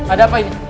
ada apa ini